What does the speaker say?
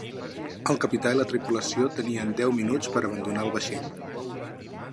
El capità i la tripulació tenien deu minuts per abandonar el vaixell.